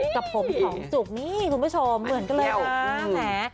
กับผมของจุกนี่คุณผู้ชมเหมือนกันเลยค่ะแหม